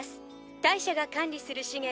大赦が管理する資源は。